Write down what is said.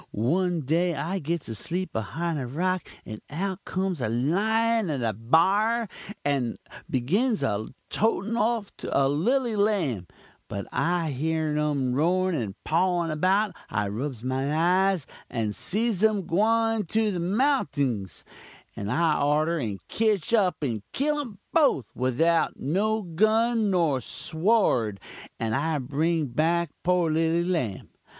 One day I gits asleep ahind a rock, and out kums a lion and a bawr, and begins a totin off a lilly lam; and when I heern um roarin and pawin 'bout, I rubs my eyes and sees um gwyin to the mountings and I arter and ketch'd up and kill um both without no gun nor sword and I bring back poor lilly lamb.